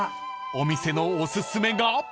［お店のおすすめが］